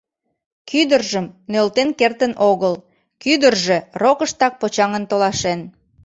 — Кӱдыржым нӧлтен кертын огыл, кӱдыржӧ рокыштак почаҥын толашен.